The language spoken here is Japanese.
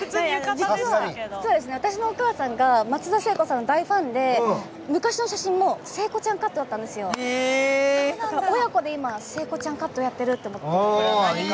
私のお母さんが松田聖子さんの大ファンで昔の写真も聖子ちゃんカットでだから親子で聖子ちゃんカットをやってるって思って。